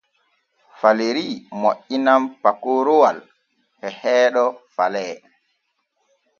Faleri moƴƴinan pakoroowal e heeɗo Falee.